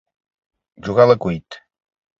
Jugar a l'acuit.